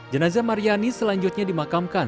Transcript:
jenazah mariani selanjutnya dimakamkan